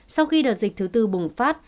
sau khi đợt dịch thứ tư bùng phát